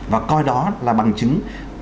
và coi đó là bằng chứng